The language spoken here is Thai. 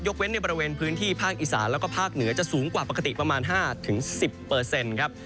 เว้นในบริเวณพื้นที่ภาคอีสานแล้วก็ภาคเหนือจะสูงกว่าปกติประมาณ๕๑๐ครับ